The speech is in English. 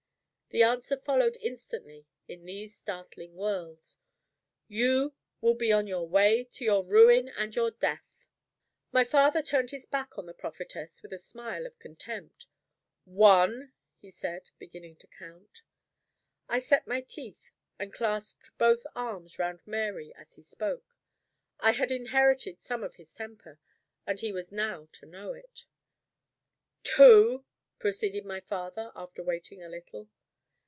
The answer followed instantly in these startling words: "You will be on your way to your ruin and your death." My father turned his back on the prophetess with a smile of contempt. "One!" he said, beginning to count. I set my teeth, and clasped both arms round Mary as he spoke. I had inherited some of his temper, and he was now to know it. "Two!" proceeded my father, after waiting a little.